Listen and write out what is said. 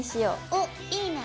おっいいね。